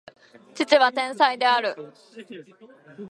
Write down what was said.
父は天才である